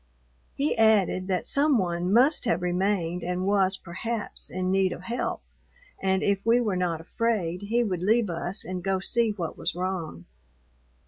He added that some one must have remained and was, perhaps, in need of help, and if we were not afraid he would leave us and go see what was wrong.